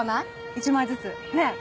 １枚ずつねえ